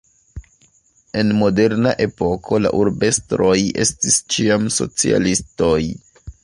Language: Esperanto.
En moderna epoko la urbestroj estis ĉiam socialistoj.